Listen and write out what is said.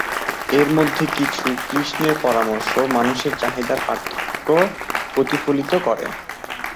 এর মধ্যে কিছু, কৃষ্ণের পরামর্শ, মানুষের চাহিদার পার্থক্য প্রতিফলিত করে।